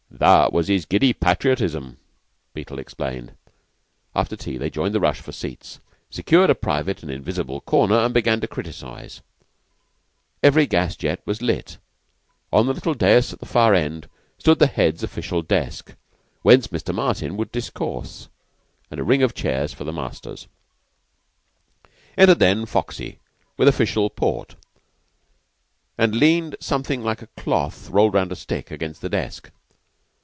"That was his giddy patriotism," Beetle explained. After tea they joined the rush for seats, secured a private and invisible corner, and began to criticise. Every gas jet was lit. On the little dais at the far end stood the Head's official desk, whence Mr. Martin would discourse, and a ring of chairs for the masters. Entered then Foxy, with official port, and leaned something like a cloth rolled round a stick against the desk.